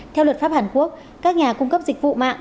theo luật pháp hàn quốc các nhà cung cấp dịch vụ mạng